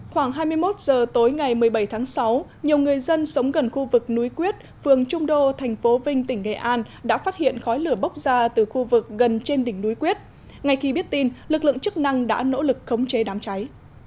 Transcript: khoảng hai mươi một h tối ngày một mươi bảy tháng sáu nhiều người dân sống gần khu vực núi quyết phường trung đô thành phố vinh tỉnh nghệ an đã phát hiện khói lửa bốc ra từ khu vực gần trên đỉnh núi quyết ngay khi biết tin lực lượng chức năng đã nỗ lực khống chế đám cháy